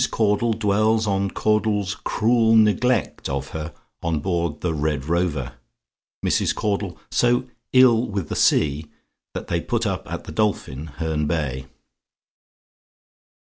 CAUDLE DWELLS ON CAUDLE'S "CRUEL NEGLECT" OF HER ON BOARD THE "RED ROVER." MRS. CAUDLE SO "ILL WITH THE SEA," THAT THEY PUT UP AT THE DOLPHIN, HERNE BAY.